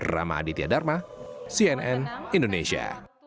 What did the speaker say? ramaditya dharma cnn indonesia